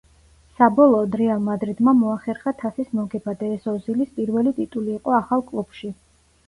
საბოლოოდ „რეალ მადრიდმა“ მოახერხა თასის მოგება და ეს ოზილის პირველი ტიტული იყო ახალ კლუბში.